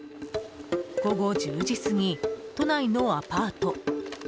午後１０時すぎ、都内のアパート。